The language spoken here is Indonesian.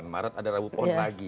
sembilan maret ada rabu pon lagi